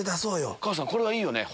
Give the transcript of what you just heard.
お母さんこれはいいよね